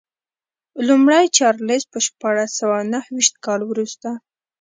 لومړی چارلېز په شپاړس سوه نهویشت کال وروسته.